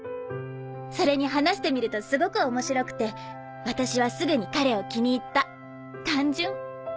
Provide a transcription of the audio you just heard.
それに話してみるとすごく面白くて私はすぐに彼を気に入った単純。